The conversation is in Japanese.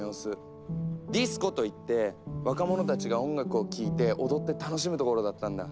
「ディスコ」といって若者たちが音楽を聴いて踊って楽しむ所だったんだ。